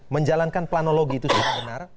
menjalankan planologi itu secara benar